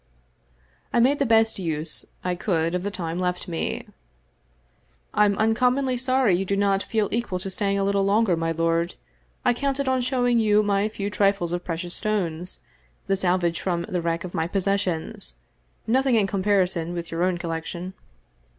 I made the best use I could of the time left me. " I'm uncommonly sorry you do not feel equal to staying a little longer, my lord. I counted on showing you my few trifles of precious stones, the salvage from the wreck of my possessions. Nothing in comparison with your own col lection."